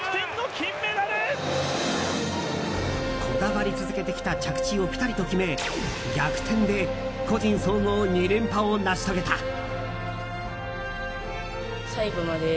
こだわり続けてきた着地をピタリと決め逆転で個人総合２連覇を成し遂げた。